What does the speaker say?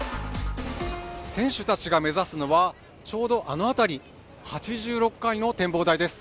選手たちが目指すのはちょうどあの辺り８６階の展望台です。